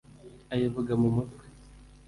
ayivuga mu mutwe